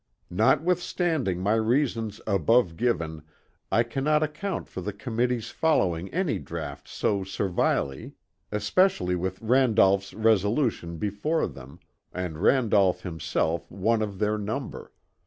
Notwithstanding my reasons above given, I cannot account for the committee's following any draught so servilely, especially with Randolph's Resolutions before them, and Randolph himself one of their number.